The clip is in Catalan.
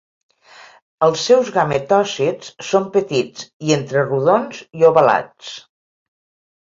Els seus gametòcits són petits, i entre rodons i ovalats.